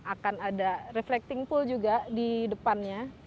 akan ada reflecting pool juga di depannya